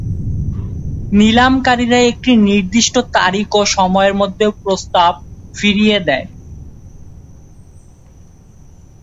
নিলামকারীরা একটি নির্দিষ্ট তারিখ ও সময়ের মধ্যে প্রস্তাব ফিরিয়ে দেয়।